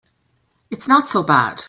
It's not so bad.